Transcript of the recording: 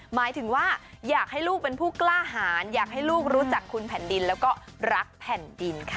หมายถึงว่าอยากให้ลูกเป็นผู้กล้าหารอยากให้ลูกรู้จักคุณแผ่นดินแล้วก็รักแผ่นดินค่ะ